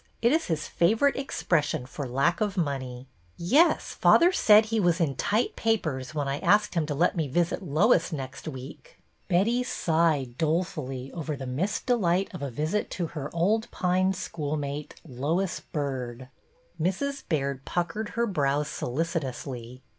It is his favorite expression for lack of money." '' Yes, father said he was ' in tight papers ' when I asked him to let me visit Lois next week." Betty sighed dolefully over the missed delight of a visit to her old Pines schoolmate, Lois Byrd. Mrs. Baird puckered her brows solicitously.